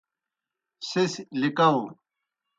سہ سی لِکاؤ۔